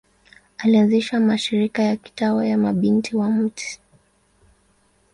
Alianzisha mashirika ya kitawa ya Mabinti wa Mt.